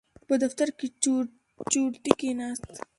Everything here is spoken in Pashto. په دفتر کې چورتي کېناست.